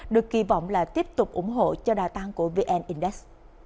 được kỳ vọng là tiếp tục ủng hộ cho đa tăng của vn index